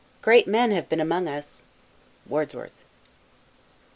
" Great men have been among us." WORDSWORTH.